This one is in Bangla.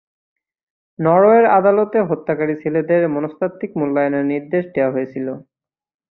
নরওয়ের আদালতে হত্যাকারী ছেলেদের মনস্তাত্ত্বিক মূল্যায়নের নির্দেশ দেওয়া হয়েছিল।